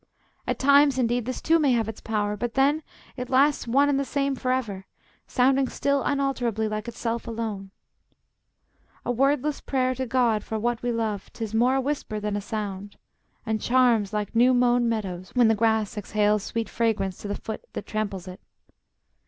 At times, indeed, This too may have its power, but then it lasts One and the same forever, sounding still Unalterably like itself alone; A wordless prayer to God for what we love, 'Tis more a whisper than a sound, and charms Like new mown meadows, when the grass exhales Sweet fragrance to the foot that tramples it.